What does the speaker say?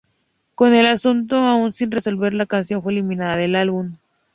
Con el asunto aún sin resolver, la canción fue eliminada del álbum.